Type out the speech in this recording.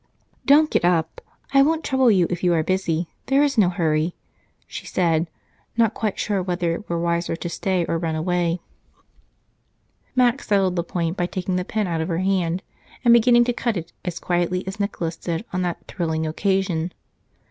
"Don't get up, I won't trouble you if you are busy, there is no hurry," she said, not quite sure whether it were wiser to stay or run away. Mac settled the point by taking the pen out of her hand and beginning to cut it, as quietly as Nicholas did on that "thrilling" occasion.